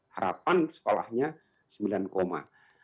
harapan sekolahnya sembilan koma